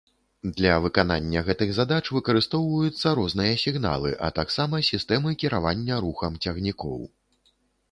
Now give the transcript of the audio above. Для выканання гэтых задач выкарыстоўваюцца розныя сігналы, а таксама сістэмы кіравання рухам цягнікоў.